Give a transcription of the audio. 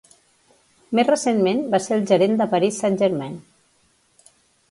Més recentment va ser el gerent de Paris Saint-Germain.